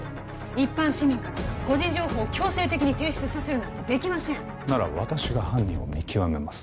一般市民から個人情報を強制的に提出させるなんてできませんなら私が犯人を見極めます